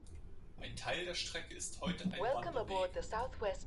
Ein Teil der Strecke ist heute ein Wanderweg.